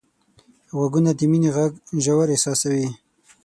غوږونه د مینې غږ ژور احساسوي